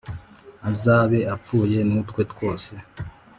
azabe apfuye n’utwe twose